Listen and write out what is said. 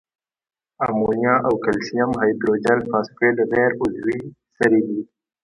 امونیا او کلسیم هایدروجن فاسفیټ غیر عضوي سرې دي.